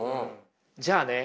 じゃあね